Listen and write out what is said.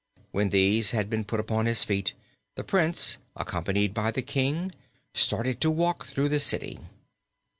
When these had been put upon his feet, the Prince, accompanied by the King, started to walk through the city.